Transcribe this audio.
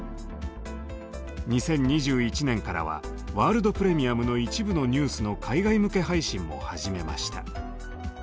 ２０２１年からは「ワールド・プレミアム」の一部のニュースの海外向け配信も始めました。